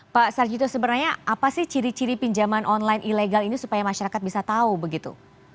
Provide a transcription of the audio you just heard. pak sarjito sebenarnya apa sih ciri ciri pinjaman online ilegal ini supaya masyarakat bisa tahu begitu